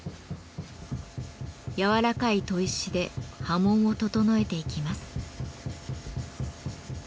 やわらかい砥石で刃文を整えていきます。